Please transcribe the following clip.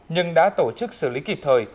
nhưng đã tổ chức xử lý kịp thời